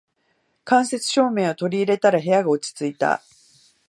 間接照明を取り入れたら部屋が落ち着いた